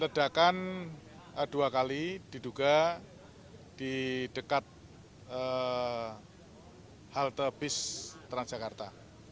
ledakan dua kali diduga di dekat halte bis transjakarta